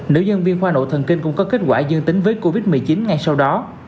nữ nhân viên khoa nội thần kinh cũng có kết quả dương tính với covid một mươi chín ngay sau đó